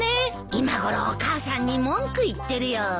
今ごろお母さんに文句言ってるよ。